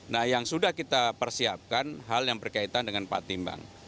nah yang sudah kita persiapkan hal yang berkaitan dengan pak timbang